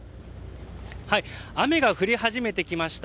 雨が降り始めてきました。